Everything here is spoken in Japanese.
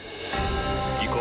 行こう。